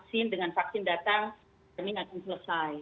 saksin datang ini akan selesai